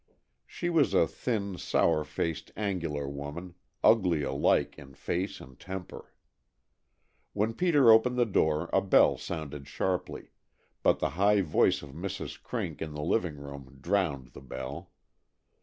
She was a thin, sour faced, angular woman, ugly alike in face and temper. When Peter opened the door a bell sounded sharply, but the high voice of Mrs. Crink in the living room drowned the bell.